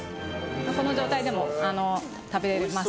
この状態でも食べれます。